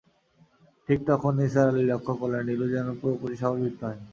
ঠিক তখন নিসার আলি লক্ষ করলেন, নীলু যেন পুরোপুরি স্বাভাবিক নয়!